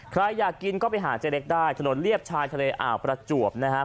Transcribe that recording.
ใครอยากกินก็ไปหาเจ๊เล็กได้ถนนเลียบชายทะเลอ่าวประจวบนะครับ